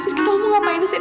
rizky kamu mau ngapain sih